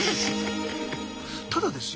ただですよ